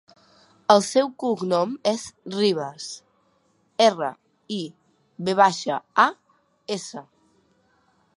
El seu cognom és Rivas: erra, i, ve baixa, a, essa.